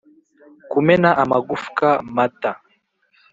kumena amagufwa mata